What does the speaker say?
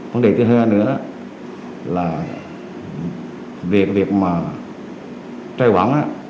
vấn đề thứ hai nữa là việc trai quản